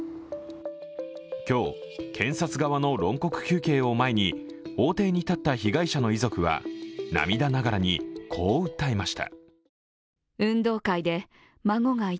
今日、検察側の論告求刑を前に法廷に立った被害者の遺族は涙ながらに、こう訴えました。